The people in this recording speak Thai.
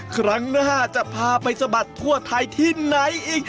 ครั้งหน้าจะพาไปสะบัดทั่วไทยที่ไหนอีก